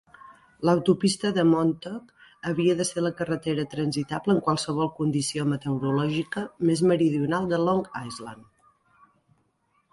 L'autopista de Montauk havia de ser la carretera transitable en qualsevol condició meteorològica més meridional de Long Island.